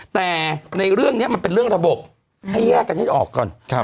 แต่ในเรื่องนี้มันเป็นเรื่องระบบให้แยกกันให้ออกก่อน